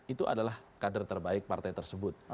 itu adalah kader terbaik partai tersebut